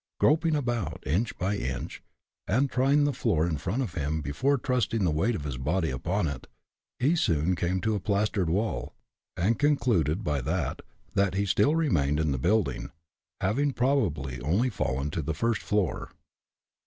Groping about, inch by inch, and trying the floor in front of him before trusting the weight of his body upon it, he soon came to a plastered wall, and concluded by that, that he still remained in the building, having probably only fallen to the first floor.